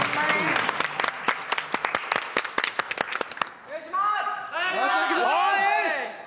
お願いします！